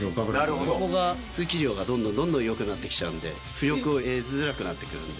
ここが、通気量がどんどんどんどんよくなってきちゃうんで、浮力を得づらくなってくるんで。